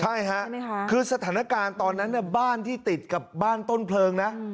ใช่ค่ะคือสถานการณ์ตอนนั้นบ้านที่ติดกับบ้านต้นเพลิงนะ